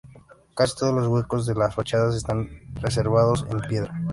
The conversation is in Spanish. Casi todos los huecos de las fachadas están recercados en piedra.